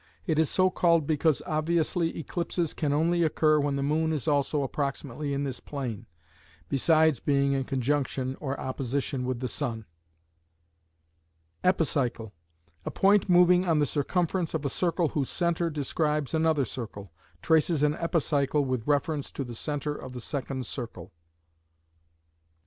It is so called because obviously eclipses can only occur when the moon is also approximately in this plane, besides being in conjunction or opposition with the sun. Epicycle: A point moving on the circumference of a circle whose centre describes another circle, traces an epicycle with reference to the centre of the second circle.